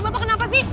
bapak kenapa sih